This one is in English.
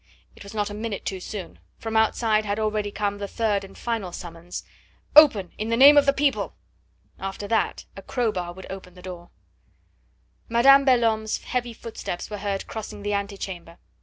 It was not a minute too soon. From outside had already come the third and final summons: "Open, in the name of the people!" After that a crowbar would break open the door. Madame Belhomme's heavy footsteps were heard crossing the ante chamber.